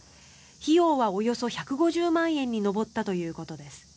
費用は、およそ１５０万円に上ったということです。